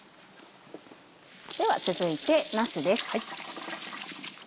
では続いてなすです。